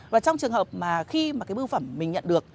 và trong trường hợp mà khi mà cái bưu phẩm mình nhận được